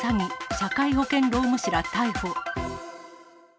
社会保険労務士ら逮捕。